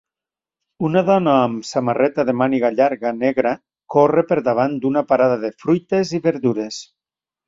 Una dona amb samarreta de màniga llarga negra corre per davant d'una parada de fruites i verdures.